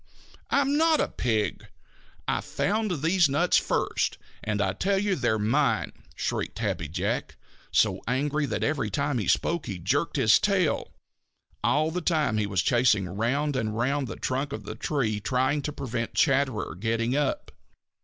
"I'm not a pig! I found these nuts first and I tell you they're mine!" shrieked Happy Jack, so angry that every time he spoke he jerked his tail. And all the time he was chasing round and round the trunk of the tree trying to prevent Chatterer getting up.